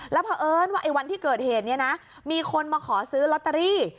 แล้วเพราะเอิญว่าไอ้วันที่เกิดเหตุนี้นะมีคนมาขอซื้อลอตเตอรี่